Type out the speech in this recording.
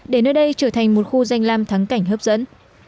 để nơi đây trở thành một khu danh lam thắng cảnh hấp dẫn